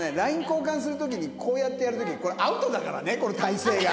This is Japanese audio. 交換する時にこうやってやる時これアウトだからねこの体勢が。